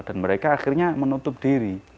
dan mereka akhirnya menutup diri